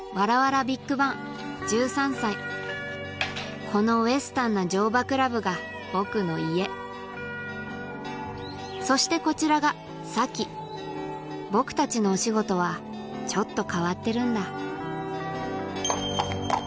僕このウエスタンな乗馬クラブが僕の家そしてこちらが沙紀僕たちのお仕事はちょっと変わってるんだ